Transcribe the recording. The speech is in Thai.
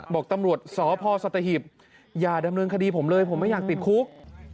บอกตำรวจสพสัตหิบอย่าดำเนินคดีผมเลยผมไม่อยากติดคุก